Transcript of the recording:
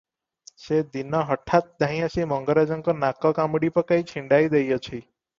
ସେ ଦିନ ହଠାତ୍ ଧାଇଁଆସି ମଙ୍ଗରାଜଙ୍କ ନାକ କାମୁଡ଼ି ପକାଇ ଛିଣ୍ତାଇ ଦେଇଅଛି ।